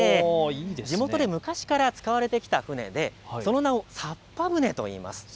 地元で昔から使われてきた舟でその名もさっぱ舟といいます。